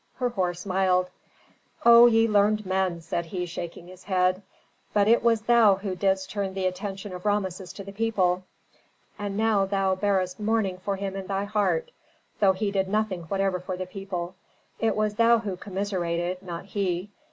Herhor smiled. "O ye learned men," said he, shaking his head. "But it was thou who didst turn the attention of Rameses to the people, and now thou bearest mourning for him in thy heart, though he did nothing whatever for the people. It was thou who commiserated, not he.